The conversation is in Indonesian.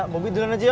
bobby duluan aja om